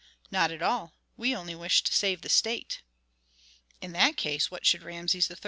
"Not at all. We only wish to save the state." "In that case what should Rameses XIII.